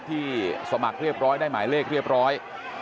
ที่สมัครเรียบร้อยได้หมายเลขเรียบร้อย